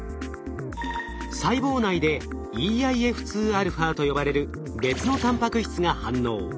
細胞内で「ｅＩＦ２α」と呼ばれる別のタンパク質が反応。